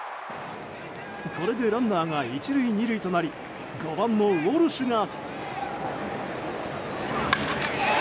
これでランナー１塁２塁となる５番のウォルシュが。